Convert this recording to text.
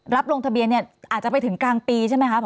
รับโรงทะเบียนเนี่ยอาจจะไปถึงกลางปีใช่มั้ยคะผอ